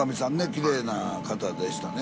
きれいな方でしたね。